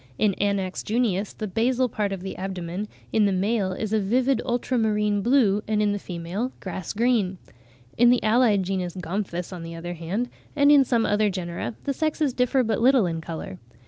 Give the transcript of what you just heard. In Anax junius the basal part of the abdomen in the male is a vivid ultramarine blue, and in the female grass green. In the allied genus Gomphus, on the other hand, and in some other genera, the sexes differ but little in colour.